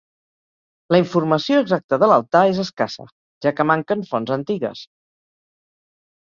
La informació exacta de l'altar és escassa, ja que manquen fonts antigues.